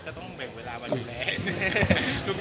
จะต้องแบ่งเวลามาดูแล